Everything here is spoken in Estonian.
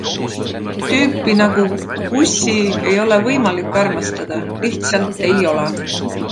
Tüüpi nagu Gussie ei ole võimalik armastada. Lihtsalt ei ole.